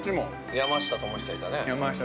◆山下智久いたね。